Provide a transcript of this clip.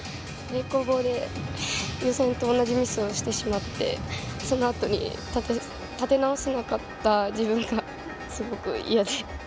平行棒で予選と同じミスをしてしまってそのあとに立て直せなかった自分がすごく嫌で。